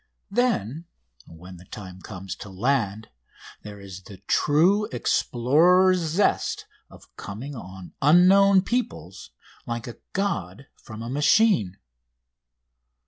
Then when the time comes to land there is the true explorer's zest of coming on unknown peoples like a god from a machine.